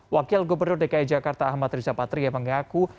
wakil gubernur dki jakarta ahmad riza patria mengaku